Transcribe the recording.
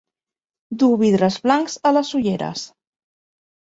Dur vidres blancs a les ulleres.